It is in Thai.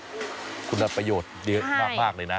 ตะวันเนี่ยคุณรัฐประโยชน์เยอะมากเลยนะ